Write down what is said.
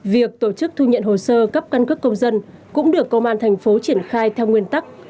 việc tổ chức thu nhận hồ sơ cấp căn cước công dân cũng được công an thành phố triển khai theo nguyên tắc